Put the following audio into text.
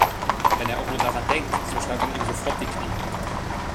Wenn er auch nur daran denkt, so schlackern ihm sofort die Knie.